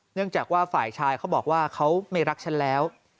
เนื่องจากว่าฝ่ายชายเขาบอกว่าเขาไม่รักฉันแล้ว